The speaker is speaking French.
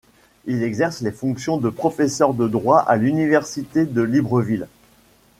Il exerce les fonctions de professeur de droit à l’université de Libreville.